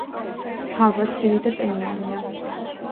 ჰავა ცივი და ტენიანია.